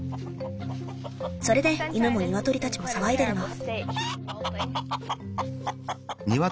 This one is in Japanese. それで犬もニワトリたちも騒いでるの。